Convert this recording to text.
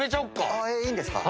いいんですか？